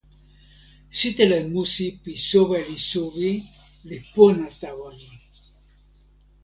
sitelen musi pi soweli suwi li pona tawa mi.